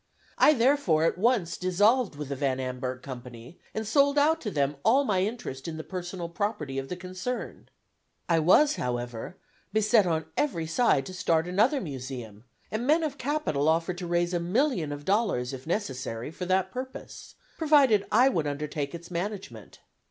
I therefore at once dissolved with the Van Amburgh Company, and sold out to them all my interest in the personal property of the concern. I was, however, beset on every side to start another Museum, and men of capital offered to raise a million of dollars if necessary, for that purpose, provided I would undertake its management.